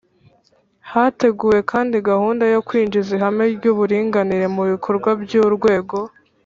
Hateguwe kandi gahunda yo kwinjiza ihame ry uburinganire mu bikorwa by urwego